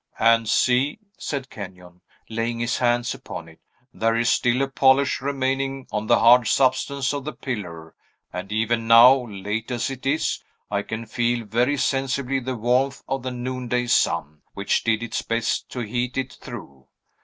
"And see!" said Kenyon, laying his hand upon it, "there is still a polish remaining on the hard substance of the pillar; and even now, late as it is, I can feel very sensibly the warmth of the noonday sun, which did its best to heat it through.